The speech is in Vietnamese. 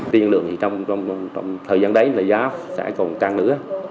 tiên lượng thì trong thời gian đấy là giá sẽ còn căng nữa